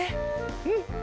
うん。